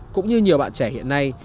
cũng như nhiều bạn trẻ hiện nay